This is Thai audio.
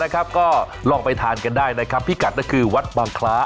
ก็ลองไปทานกันได้นะครับพิกัดก็คือวัดบางคล้า